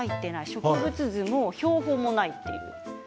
植物図も標本もないんです。